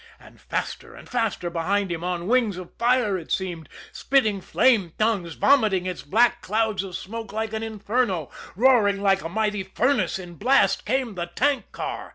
And faster and faster behind him, on wings of fire it seemed, spitting flame tongues, vomiting its black clouds of smoke like an inferno, roaring like a mighty furnace in blast, came the tank car.